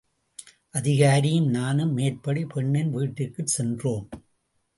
அதிகாரியும் நானும் மேற்படி பெண்ணின் வீட்டிற்குச் சென்றோம்.